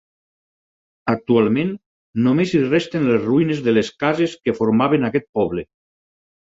Actualment només hi resten les ruïnes de les cases que formaven aquest poble.